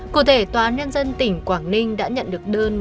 cụ thể tòa án nhân dân tỉnh quảng ninh đã nhận được đơn